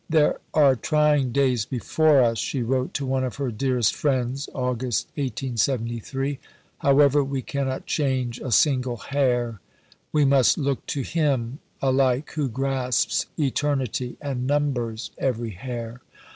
"There are trying days before us," she wrote to one of her dearest friends (Aug. 1873); "however, we cannot change a single 'hair'; we must look to Him 'Alike who grasps eternity, And numbers every hair.'